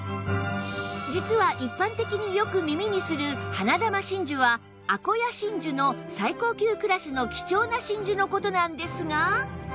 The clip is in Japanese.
実は一般的によく耳にする花珠真珠はアコヤ真珠の最高級クラスの貴重な真珠の事なんですが